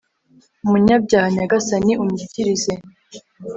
umunyabyaha. nyagasani unyikirize